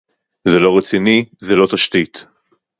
זה לא רציני, זו לא תשתית